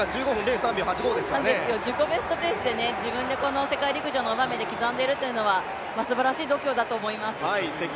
自己ベストペースで自分でこの世界陸上の場で刻んでいるというのは、すばらしい度胸だと思います。